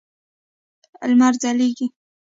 لمر ځلېږي.